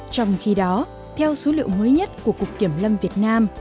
trong khi đó theo số liệu mới nhất của cục kiểm lâm việt nam